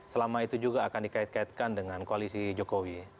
selama itu juga akan dikait kaitkan dengan koalisi jokowi